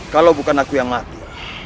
kalau bukan aku yang mati